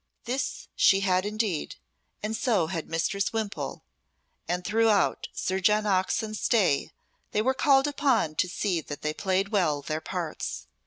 This she had indeed, and so had Mistress Wimpole, and throughout Sir John Oxon's stay they were called upon to see that they played well their parts.